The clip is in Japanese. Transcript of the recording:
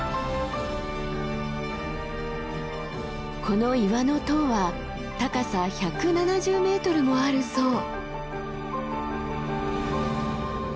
この岩の塔は高さ１７０ｍもあるそう。